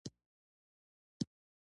د نظر د دوو کوترو پښې مې ماتي